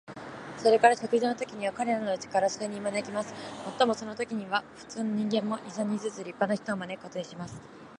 それから食事のときには、彼等のうちから数人招きます。もっともそのときには、普通の人間も、二三人ずつ立派な人を招くことにします。